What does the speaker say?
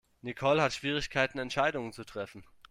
Nicole hat Schwierigkeiten Entscheidungen zu treffen.